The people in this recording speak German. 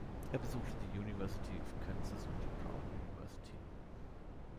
Er besuchte die "University Of Kansas" und die "Brown University".